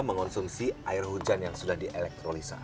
mengonsumsi air hujan yang sudah dielektralisasi